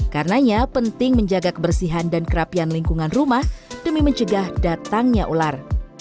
karenanya penting menjaga kebersihan dan kerapian lingkungan rumah demi mencegah datangnya ular